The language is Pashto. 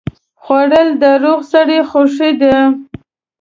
خوړل د روغ سړي خوښي ده